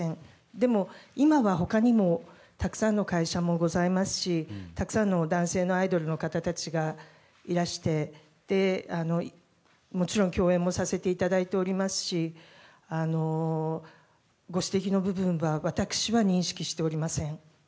でも、今は他にもたくさんの会社もございますしたくさんの男性のアイドルの方たちがいらしてもちろん共演もさせていただいておりますしご指摘の部分は私は認識しておりません。